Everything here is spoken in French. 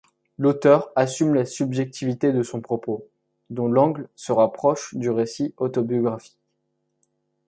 L'auteur assume la subjectivité de son propos, dont l'angle se rapproche du récit autobiographique.